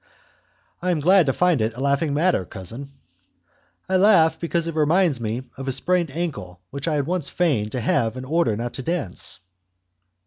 "I am glad to find it a laughing matter, cousin." "I laugh, because it reminds me of a sprained ankle which I once feigned to have in order not to dance."